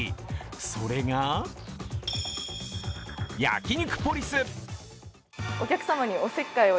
それが、焼肉ポリス。